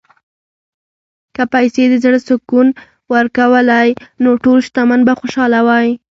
که پیسې د زړه سکون ورکولی، نو ټول شتمن به خوشاله وای.